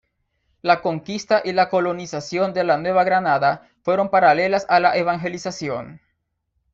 La Conquista y la colonización de la Nueva Granada fueron paralelas a la evangelización.